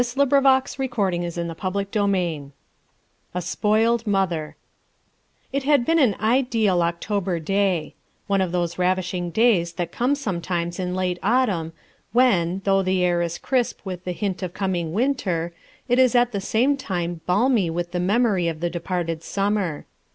4 eer. ^^ his grave conclu CHAPTER VIII A SPOILED MOTHER IT had been an ideal October day: one of those ravishing days that come sometimes in late autumn when, though the air is crisp with the hint of a coming winter, it is at the same time balmy with the memory of the departed summer.